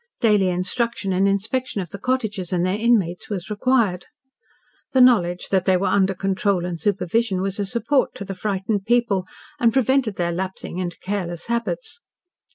Daily instruction and inspection of the cottages and their inmates was required. The knowledge that they were under control and supervision was a support to the frightened people and prevented their lapsing into careless habits.